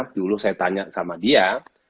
dulu saya tanya sama dia